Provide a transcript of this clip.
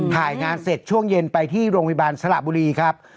ถ่ายงานเสร็จช่วงเย็นไปที่โรงพยาบาลสระบุรีครับ